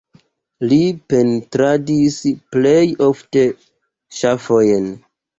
Li pentradis plej ofte ŝafojn.